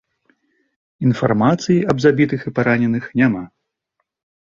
Інфармацыі аб забітых і параненых няма.